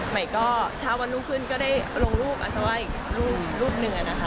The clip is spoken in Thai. ใหม่ก็เช้าวันนู้นขึ้นก็ได้ลงลูกอาจว่าอีกลูกลูกนึงนะคะ